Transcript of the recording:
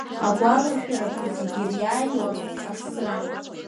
Агәалашәарақәа зегьы ириааиуа, аԥсра…